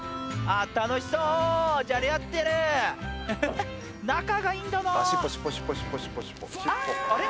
楽しそうじゃれ合ってる仲がいいんだなあれ？